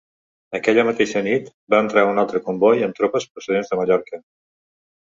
Aquella mateixa nit va entrar un altre comboi amb tropes procedents de Mallorca.